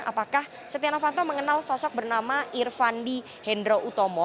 apakah setia novanto mengenal sosok bernama irvandi hendro utomo